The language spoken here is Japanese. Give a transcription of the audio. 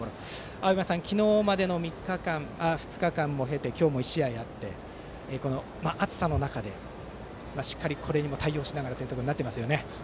青山さん昨日までの２日間を経て今日も１試合あって暑さの中でしっかりこれにも対応しながらというところになっていますね。